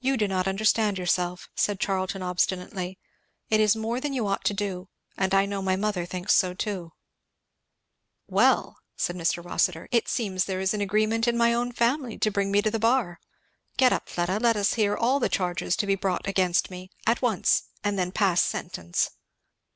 "You do not understand yourself," said Charlton obstinately; "it is more than you ought to do, and I know my mother thinks so too." [Illustration: She knelt down before him.] "Well!" said Mr. Rossitur, "it seems there is an agreement in my own family to bring me to the bar get up, Fleda, let us hear all the charges to be brought against me, at once, and then pass sentence.